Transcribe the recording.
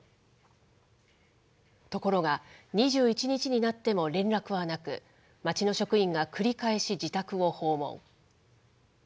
ところが、２１日になっても連絡はなく、町の職員が繰り返し自宅を訪問。